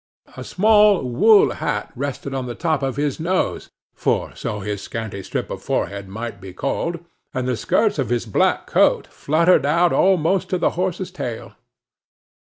A small wool hat rested on the top of his nose, for so his scanty strip of forehead might be called, and the skirts of his black coat fluttered out almost to the horses tail.